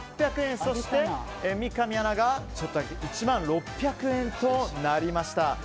そして三上アナが１万６００円となりました。